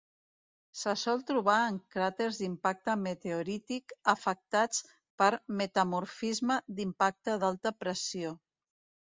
Se sol trobar en cràters d'impacte meteorític afectats per metamorfisme d'impacte d'alta pressió.